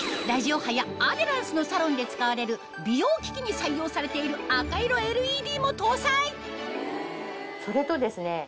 ラジオ波やアデランスのサロンで使われる美容機器に採用されている赤色ＬＥＤも搭載それとですね